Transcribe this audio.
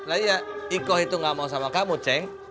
lah iya ikoh itu gak mau sama kamu ceng